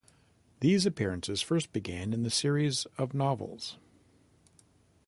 These appearances first began in the series of novels.